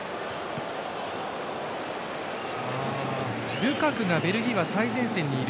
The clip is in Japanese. ルカクがベルギーの最前線がいる。